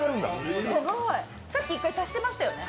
さっき１回、足してましたよね。